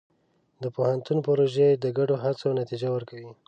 د پوهنتون پروژې د ګډو هڅو نتیجه ورکوي.